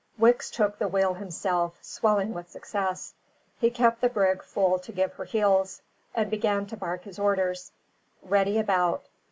Wicks took the wheel himself, swelling with success. He kept the brig full to give her heels, and began to bark his orders: "Ready about.